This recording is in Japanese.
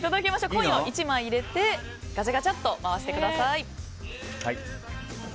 コインを１枚入れてガチャガチャっと回してください。